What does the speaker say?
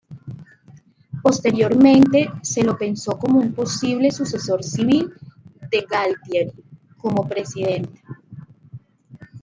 Posteriormente, se lo pensó como un posible sucesor civil de Galtieri como presidente.